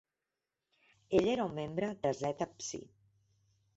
Ell era un membre de Zeta Psi.